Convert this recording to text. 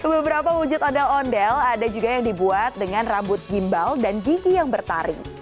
beberapa wujud ondel ondel ada juga yang dibuat dengan rambut gimbal dan gigi yang bertaring